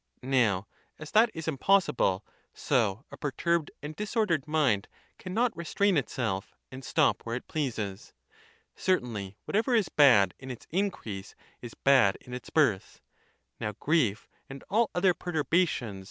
Now, as that is impossible, so a perturbed and disordered mind cannot restrain itself, and stop where it pleases. Certainly whatever is bad in its increase is bad in its birth. Now grief and all other perturbations . 144 THE TUSCULAN DISPUTATIONS.